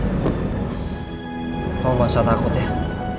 kamu nggak usah takut ya